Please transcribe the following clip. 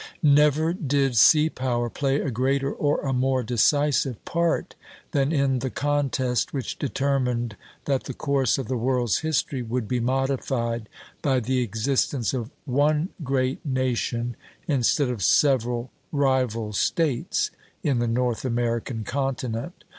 Never did sea power play a greater or a more decisive part than in the contest which determined that the course of the world's history would be modified by the existence of one great nation, instead of several rival States, in the North American continent.